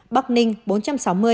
bắc ninh bốn trăm sáu mươi